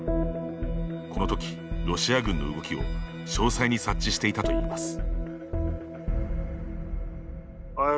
この時、ロシア軍の動きを詳細に察知していたといいます。